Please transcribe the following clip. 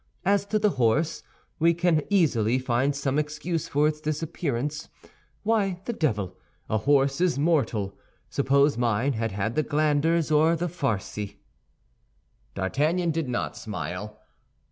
As to the horse, we can easily find some excuse for its disappearance. Why the devil! A horse is mortal; suppose mine had had the glanders or the farcy?" D'Artagnan did not smile.